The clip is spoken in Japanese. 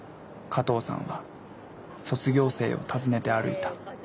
加藤さんは卒業生をたずねて歩いた。